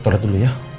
ketolak dulu ya